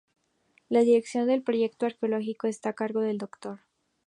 La dirección del proyecto arqueológico está a cargo del Dr.